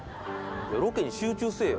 ロケに集中せぇよ。